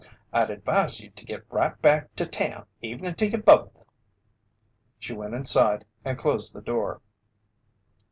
"I'd advise you to git right back to town. 'Evenin' to you both." She went inside and closed the door.